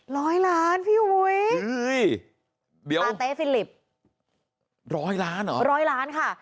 ร้อยล้านพี่อุ๋ยอุ้ยเดี๋ยวมาเต๊ฟิลิปร้อยล้านเหรอร้อยล้านค่ะ